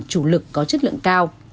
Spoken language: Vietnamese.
chủ lực có chất lượng cao